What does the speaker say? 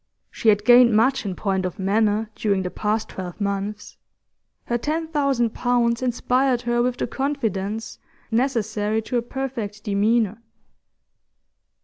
She had gained much in point of manner during the past twelve months; her ten thousand pounds inspired her with the confidence necessary to a perfect demeanour.